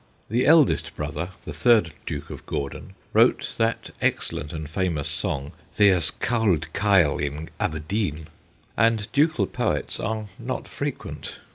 The eldest brother, the third Duke of Gordon, wrote that excellent and famous song, ' There 's cauld kail in Aber deen/ and ducal poets are not frequent.